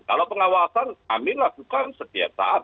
kalau pengawasan kami lakukan setiap saat